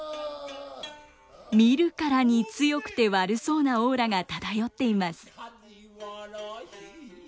見るからに強くて悪そうなオーラが漂っています。